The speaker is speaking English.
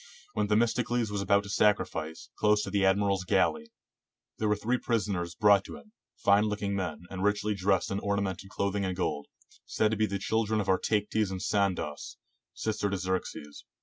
When Themistocles was about to sacrifice, close to the admiral's galley, there were three prisoners brought to him, fine looking men, and richly dressed in orna mented clothing and gold, said to be the children of Artayctes and Sandauce, sister to Xerxes.